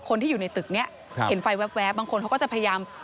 คนที่อยู่ในตึกนี้เห็นไฟแว๊บบางคนเขาก็จะพยายาม